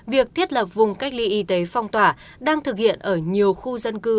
việc thiết lập vùng cách ly y tế phong tỏa đang thực hiện ở nhiều khu dân cư